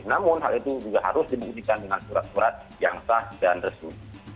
namun hal itu juga harus dibuktikan dengan surat surat yang sah dan resmi